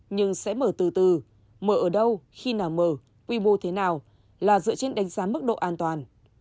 nhưng sẽ mở từ từ mở ở đâu khi nào mở quy mô thế nào là dựa trên đánh giá mức độ an toàn